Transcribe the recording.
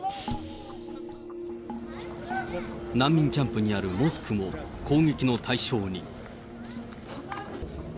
難民キャンプにあるモスクも、攻撃の対象に。